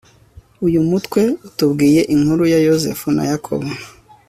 uyu mutwe utubwira inkuru ya yozefu na yakobo